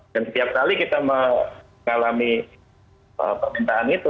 dan setiap kali kita mengalami permintaan itu